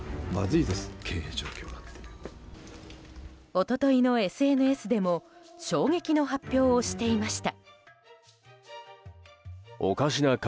一昨日のＳＮＳでも衝撃の発表をしていました。